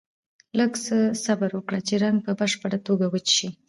لږ څه صبر وکړئ چې رنګ په بشپړه توګه وچ شي.